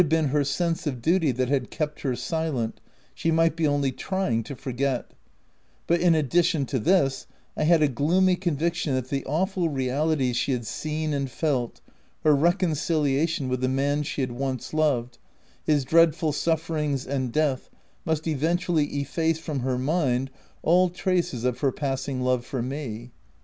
255 been her sense of duty that had kept her silent, she might be only trying to forget ; but in ad dition to this, I had a gloomy conviction that the awful realities she had seen and felt, her reconciliation with the man she had once loved, his dreadful sufferings and death, must even tually efface from her mind all traces of her passing love for me.